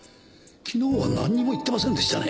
昨日はなんにも言ってませんでしたね。